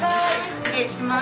失礼します。